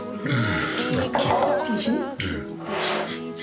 うん。